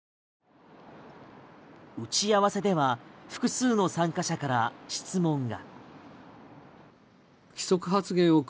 打ち合わせでは複数の参加者から質問が。